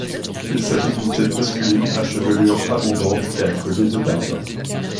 Il s'agit d'une tête masculine, à chevelure abondante et à collier de barbe.